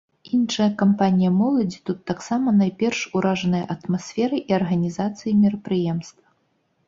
Іншая кампанія моладзі тут таксама найперш уражаная атмасферай і арганізацыяй мерапрыемства.